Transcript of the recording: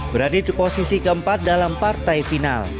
berada di posisi keempat dalam partai final